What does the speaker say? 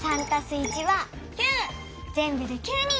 ぜんぶで９人！